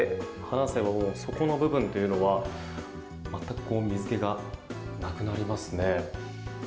押さえて離せばそこの部分というのは全く水気がなくなりますね。